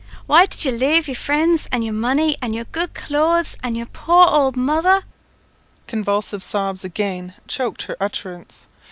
Why did You lave your frinds, and your money, and your good clothes, and your poor owld mother?" Convulsive sobs again choked her utterance.